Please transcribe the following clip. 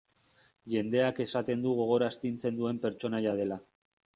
Jendeak esaten du gogor astintzen duen pertsonaia dela.